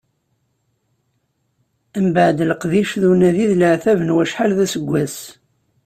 Mbeɛd leqdic d unadi d leɛtab n wacḥal d aseggas.